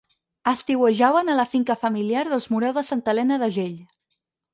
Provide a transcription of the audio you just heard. Estiuejaven a la finca familiar dels Moreu de Santa Elena d'Agell.